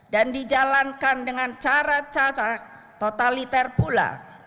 dan dijalankan dengan cara cara totaliter pula